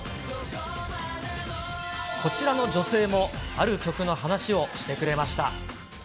こちらの女性もある曲の話をしてくれました。